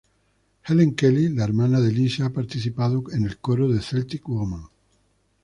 Helen Kelly la hermana de Lisa ha participado en el coro de Celtic Woman.